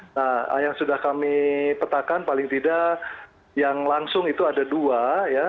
nah yang sudah kami petakan paling tidak yang langsung itu ada dua ya